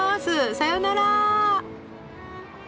さよなら。